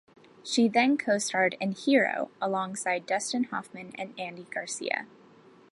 She then co starred in "Hero" alongside Dustin Hoffman and Andy Garcia.